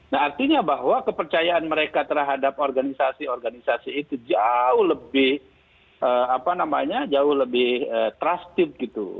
nah artinya bahwa kepercayaan mereka terhadap organisasi organisasi itu jauh lebih apa namanya jauh lebih trustee gitu